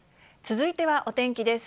続いてはお天気です。